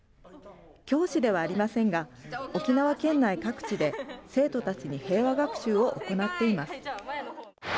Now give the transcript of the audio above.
教師ではありませんが、沖縄県内各地で生徒たちに平和学習を行っています。